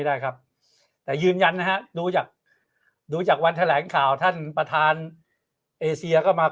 ได้ครับแต่ยืนยันนะฮะดูจากดูจากวันแถลงข่าวท่านประธานเอเซียก็มา